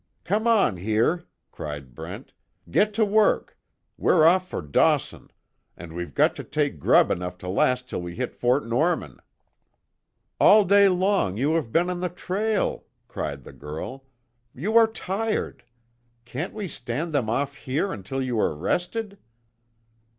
"Come on here!" cried Brent, "Get to work! We're off for Dawson! And we've got to take grub enough to last till we hit Fort Norman." "All day long you have been on the trail," cried the girl, "You are tired! Can't we stand them off here until you are rested?"